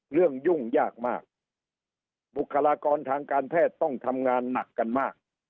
ยุ่งยากมากบุคลากรทางการแพทย์ต้องทำงานหนักกันมาก